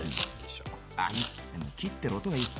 あっ切ってる音がいい！